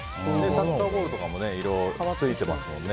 サッカーボールとかも色ついてますもんね。